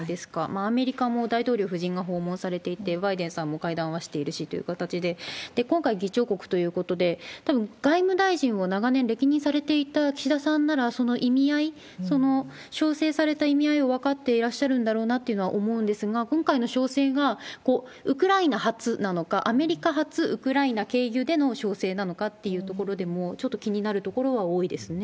アメリカも大統領夫人が訪問されていて、バイデンさんも会談はしているしという形で、今回、議長国ということで、たぶん外務大臣を長年歴任されていた岸田さんなら、その意味合い、その招請された意味合いは分かっていらっしゃるんだろうなというのは思うんですが、今回の招請がウクライナ発なのか、アメリカ発、ウクライナ経由での招請なのかというところでも、ちょっと気になるところは多いですね。